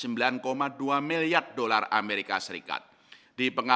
pembangunan ekonomi global yang mempunyai keberhasilan di perusahaan negara dan keperluan